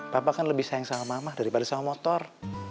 bapak kan lebih sayang sama mama daripada sama motor